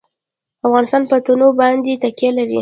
افغانستان په تنوع باندې تکیه لري.